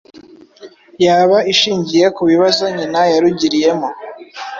yaba ishingiye ku bibazo nyina yarugiriyemo